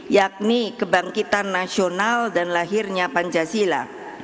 yakni kebangkitan nasional dan lahirnya pancasila